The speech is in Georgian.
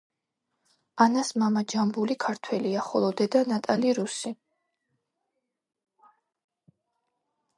ანას მამა ჯამბული ქართველია, ხოლო დედა ნატალია რუსი.